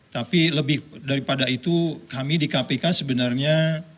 tapi lebih daripada itu kami di kpk sebenarnya